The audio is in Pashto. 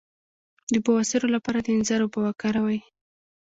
د بواسیر لپاره د انځر اوبه وکاروئ